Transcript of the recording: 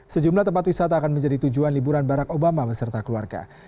sejumlah tempat wisata akan menjadi tujuan liburan barack obama beserta keluarga